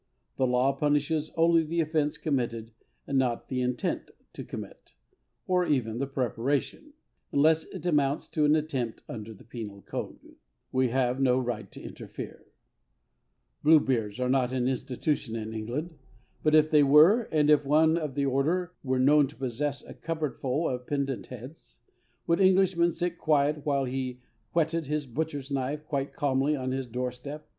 ... The law punishes only the offence committed and not the intent to commit, or even the preparation, unless it amounts to an attempt under the Penal Code." Bluebeards are not an institution in England; but if they were, and if one of the order were known to possess a cupboardful of pendent heads, would Englishmen sit quiet while he whetted his butcher's knife quite calmly on his doorstep?